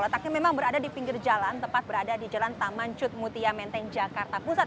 letaknya memang berada di pinggir jalan tepat berada di jalan taman cutmutia menteng jakarta pusat